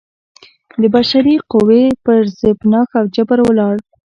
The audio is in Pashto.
د بشري قوې پر زبېښاک او جبر ولاړ و.